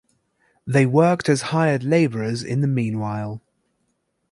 They worked as hired laborers in the meanwhile.